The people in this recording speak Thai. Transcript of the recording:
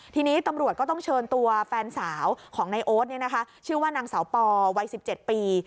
ทีนี้ตำรวจก็ต้องเชิญตัวแฟนสาวของนายโอ๊ตชื่อว่านางสาวปอวัย๑๗ปี